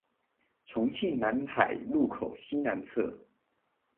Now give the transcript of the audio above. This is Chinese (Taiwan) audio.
重慶南海路口西南側